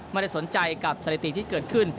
ไม่ได้สนใจกับเสร็จศาสนิทที่เกิดขึ้น